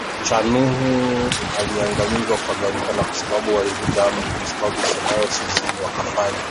cha Nuhu uliangamizwa kwa gharika kwa sababu walivunja Amri ya saba isemayo usizini wakafanya